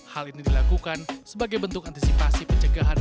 hal ini dilakukan sebagai bentuk antisipasi pencegahan